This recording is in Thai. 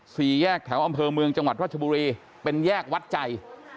สี่แยกแถวอำเภอเมืองจังหวัดรัชบุรีเป็นแยกวัดใจ